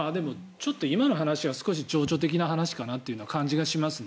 今のお話はちょっと情緒的なのかなという感じがしますね。